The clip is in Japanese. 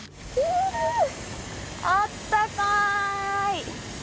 あったかい。